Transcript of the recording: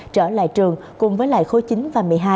trở lại trường cùng với lại khối chín và một mươi hai